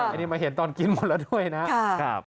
อันนี้มาเห็นตอนกินหมดแล้วด้วยนะครับ